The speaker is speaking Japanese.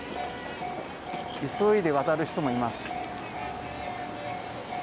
急いで渡る人もいます。